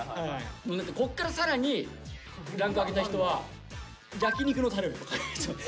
こっから更にランク上げたい人は焼き肉のタレを。